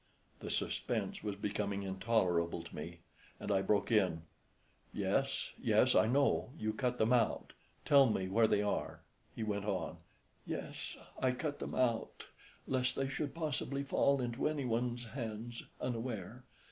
The suspense was becoming intolerable to me, and I broke in, "Yes, yes, I know; you cut them out. Tell me where they are," He went on "Yes, I cut them out lest they should possibly fall into anyone's hands unaware.